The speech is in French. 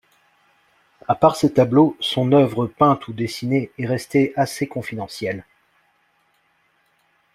À part ces tableaux, son œuvre peinte ou dessinée est restée assez confidentielle.